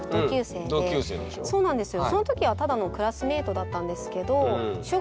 そうなんですよ。